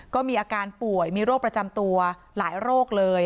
ก็มีอาการป่วยมีโรคประจำตัวหลายโรคเลย